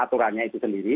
aturannya itu sendiri